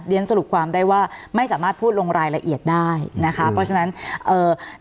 สรุปความได้ว่าไม่สามารถพูดลงรายละเอียดได้นะคะเพราะฉะนั้นเอ่อ